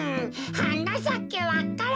「はなさけわか蘭」